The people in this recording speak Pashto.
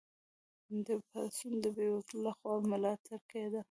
دا پاڅون د بې وزلو لخوا ملاتړ کیده.